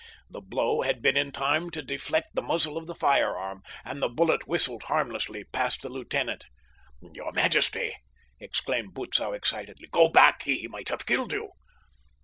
The blow had been in time to deflect the muzzle of the firearm, and the bullet whistled harmlessly past the lieutenant. "Your majesty!" exclaimed Butzow excitedly. "Go back. He might have killed you."